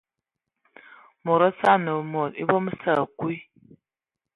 Mod osə anə mod evom sə akwi.